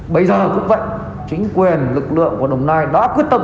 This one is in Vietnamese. bây giờ cũng vậy chính quyền lực lượng của đồng nai đã quyết tâm